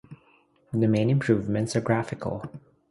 The main improvements are graphical.